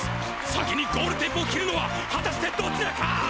先にゴールテープを切るのははたしてどちらか！？